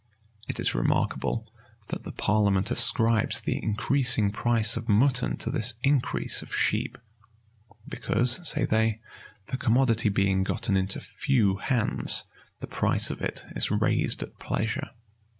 It is remarkable, that the parliament ascribes the increasing price of mutton to this increase of sheep: because, say they, the commodity being gotten into few hands, the price of it is raised at pleasure.